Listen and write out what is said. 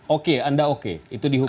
oke anda oke itu dihukum